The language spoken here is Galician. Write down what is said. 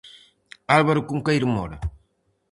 Álvaro Cunqueiro Mora.